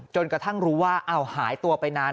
จนกระทั่งรู้ว่าหายตัวไปนาน